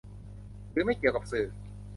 หรือไม่เกี่ยวกับสื่อ